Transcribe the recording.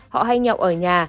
họ hay nhậu ở nhà